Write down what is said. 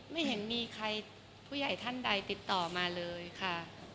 ไม่เห็นมีใครผู้ใหญ่ท่านใดติดต่อมาเลยค่ะ